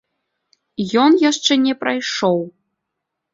Ён яшчэ не прайшоў.